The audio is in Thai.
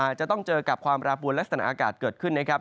จะต้องเจอกับความระบวนและสถานอากาศเกิดขึ้นนะครับ